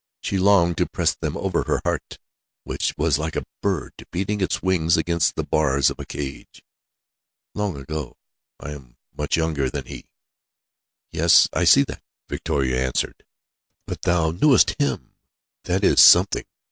She longed to press them over her heart, which was like a bird beating its wings against the bars of a cage. "Long ago. I am much younger than he." "Yes, I see that," Victoria answered. "But thou knewest him! That is something.